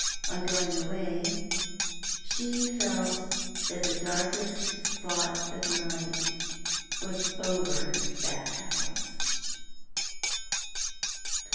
On going away, she felt that the darkest spot of night was over that house.